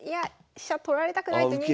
飛車取られたくないと。